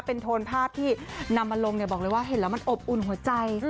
เป็นโทนภาพที่นำมาลงบอกเลยว่าเห็นแล้วมันอบอุ่นหัวใจ